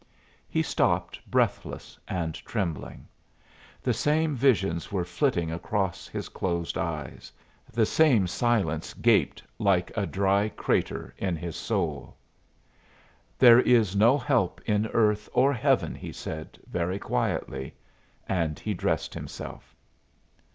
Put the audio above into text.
He stopped, breathless and trembling. The same visions were flitting across his closed eyes; the same silence gaped like a dry crater in his soul. "There is no help in earth or heaven," he said, very quietly; and he dressed himself.